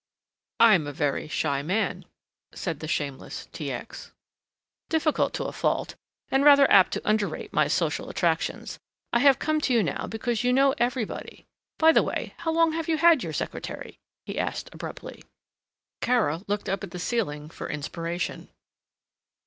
"I am a very shy man," said the shameless T. X., "difficult to a fault, and rather apt to underrate my social attractions. I have come to you now because you know everybody by the way, how long have you had your secretary!" he asked abruptly. Kara looked up at the ceiling for inspiration.